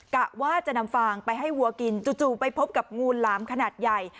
กะว่าจะนำฟางไปให้วัวกินจู่ไปพบกับงูหลามขนาดใหญ่